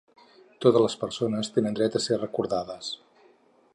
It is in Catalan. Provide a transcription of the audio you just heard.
Totes les persones tenen dret a ser recordades.